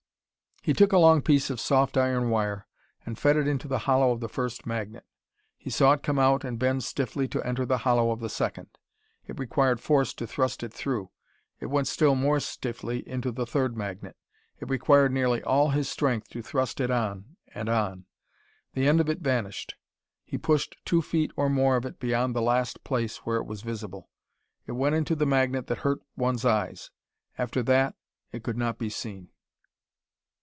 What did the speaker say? He took a long piece of soft iron wire and fed it into the hollow of the first magnet. He saw it come out and bend stiffly to enter the hollow of the second. It required force to thrust it through. It went still more stiffly into the third magnet. It required nearly all his strength to thrust it on, and on.... The end of it vanished. He pushed two feet or more of it beyond the last place where it was visible. It went into the magnet that hurt one's eyes. After that it could not be seen.